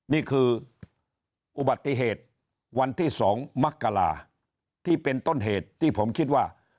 นี่คืออุบัติเหตุวันที่๒มกราที่เป็นต้นเหตุที่ผมคิดว่า